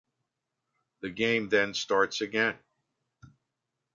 The game then starts again.